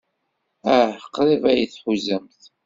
Ah, qrib ay t-tḥuzamt.